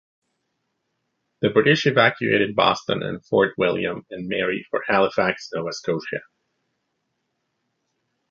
The British evacuated Boston and Fort William and Mary for Halifax, Nova Scotia.